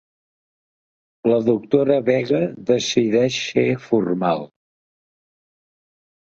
La doctora Vega decideix ser formal.